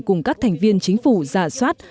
cùng các thành viên chính phủ giả soát